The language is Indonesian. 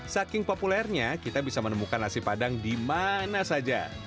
saking populernya kita bisa menemukan nasi padang di mana saja